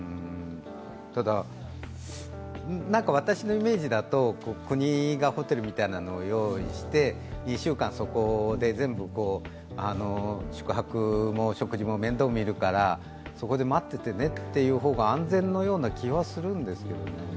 ただ、私のイメージだと、国がホテルみたいなのを用意して２週間そこで全部宿泊も食事も面倒みるからそこで待っててね、っていう方が安全のような気はするんですけど。